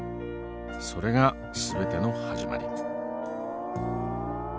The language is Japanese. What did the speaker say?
それが全ての始まり。